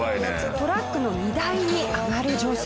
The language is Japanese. トラックの荷台に上がる女性。